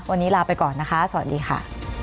วันนี้ลาไปก่อนนะคะสวัสดีค่ะ